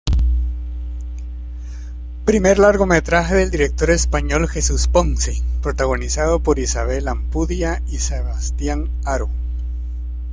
Primer largometraje del director español Jesús Ponce, protagonizado por Isabel Ampudia y Sebastián Haro.